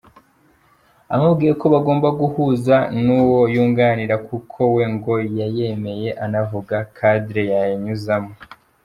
Amubwiye ko bagomba guhuza n’uwo yunganira kuko we ngo yayemeye anavuga ‘cadre’ yayavuzemo.